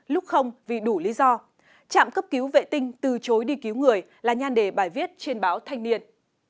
lúc không vì đủ lý do trạm cấp cứu vệ tinh từ chối đi cứu người là nhan đề bài viết trên báo thanh niên